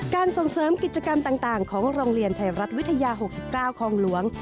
ส่งเสริมกิจกรรมต่างของโรงเรียนไทยรัฐวิทยา๖๙คลองหลวง